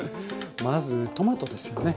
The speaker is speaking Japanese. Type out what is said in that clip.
まずトマトですよね。